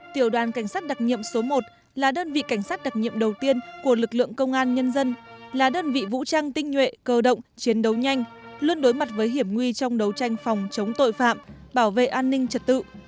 tiểu đoàn cảnh sát đặc nhiệm số một là đơn vị cảnh sát đặc nhiệm đầu tiên của lực lượng công an nhân dân là đơn vị vũ trang tinh nhuệ cơ động chiến đấu nhanh luôn đối mặt với hiểm nguy trong đấu tranh phòng chống tội phạm bảo vệ an ninh trật tự